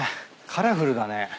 カラフルだね。